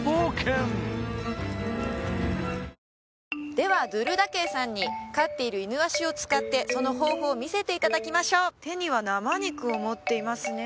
ではドゥルダケイさんに飼っているイヌワシを使ってその方法を見せていただきましょう手には生肉を持っていますね